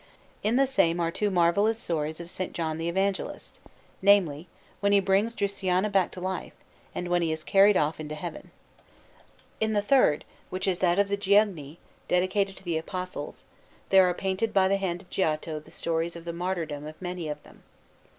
In the same are two marvellous stories of S. John the Evangelist namely, when he brings Drusiana back to life, and when he is carried off into Heaven. In the third, which is that of the Giugni, dedicated to the Apostles, there are painted by the hand of Giotto the stories of the martyrdom of many of them.